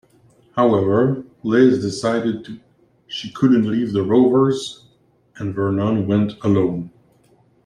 However, Liz decided she couldn't leave "The Rovers" and Vernon went alone.